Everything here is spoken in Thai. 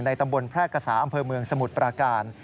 ตำบลแพร่กษาอำเภอเมืองสมุทรปราการ